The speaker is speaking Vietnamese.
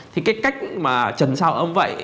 thì cái cách mà trần sao ông vậy